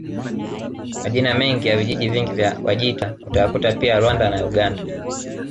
Majina mengi ya vijiji vingi vya Wajita utayakuta pia Rwanda na Uganda